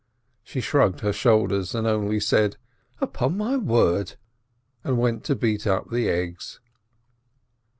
She shrugged her shoulders, and only said, "Upon my word !" and went to beat up the eggs.